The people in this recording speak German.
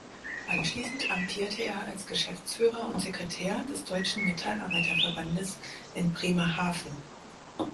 Anschließend amtierte er als Geschäftsführer und Sekretär des Deutschen Metallarbeiterverbandes in Bremerhaven.